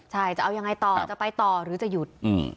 ใช่จะเอายังไงต่อจะไปต่อหรือจะหยุด